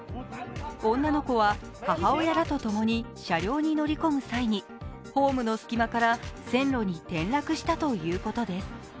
女の子は母親らと共に車両に乗り込む際にホームの隙間から線路に転落したということです。